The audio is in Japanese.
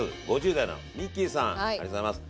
ありがとうございます。